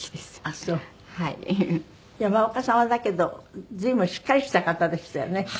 山岡さんはだけど随分しっかりした方でしたよね。